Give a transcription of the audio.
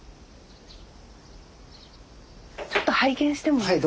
ちょっと拝見してもいいですか？